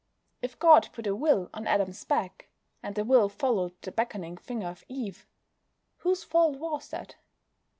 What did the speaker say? If God put a "will" on Adam's back, and the will followed the beckoning finger of Eve, whose fault was that?